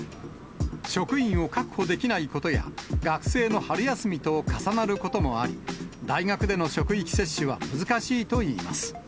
職員を確保できないことや、学生の春休みと重なることもあり、大学での職域接種は難しいといいます。